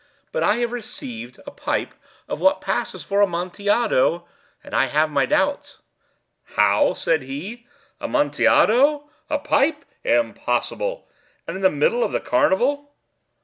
But I have received a pipe of what passes for Amontillado, and I have my doubts." "How?" said he. "Amontillado? A pipe? Impossible! And in the middle of the carnival!"